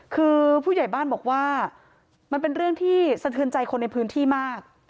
คือผู้ใหญ่บ้านบอกว่ามันเป็นเรื่องที่สะเทือนใจคนในพื้นที่มาก